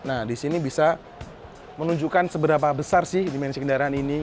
nah di sini bisa menunjukkan seberapa besar sih dimensi kendaraan ini